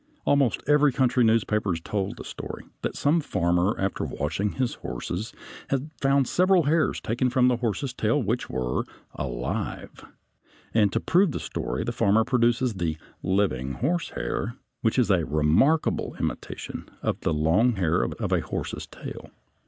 Almost every country newspaper has told the story, that some farmer after washing his horses had found several hairs taken from the horse's tail which "were alive," and to prove the story the farmer produces the "living horsehair" which is a remarkable imitation of the long hair of a horse's tail.